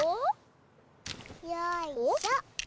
よいしょ！